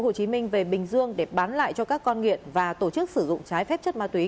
hồ chí minh về bình dương để bán lại cho các con nghiện và tổ chức sử dụng trái phép chất ma túy